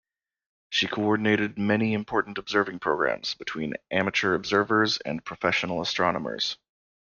She coordinated many important observing programs between amateur observers and professional astronomers.